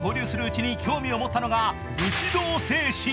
日本人の空手家と交流するうちに興味を持ったのが武士道精神。